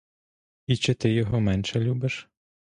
І чи ти його менше любиш?